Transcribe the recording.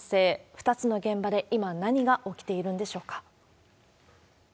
２つの現場で今何が起きているんでしょうか。